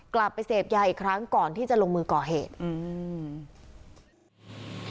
กลับไปเสพยาอีกครั้งก่อนที่จะลงมือก่อเหตุอืม